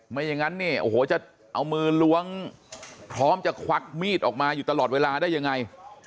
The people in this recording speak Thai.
ไม่อย่างนั้นเนี่ยโอ้โหจะเอามือล้วงพร้อมจะควักมีดออกมาอยู่ตลอดเวลาได้ยังไง